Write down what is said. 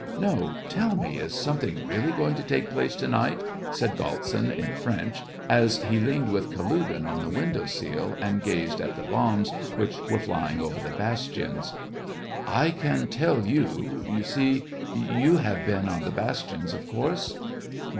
" No, tell me, is something really going to take place to night }" said Galtsin, in French, as he leaned with Kalugin on the window sill, and gazed 64 • SEVASTOPOL IN MAY. at the bombs which were flying over the bastions. " I can tell you, yon see ... you have been on the bastions, of course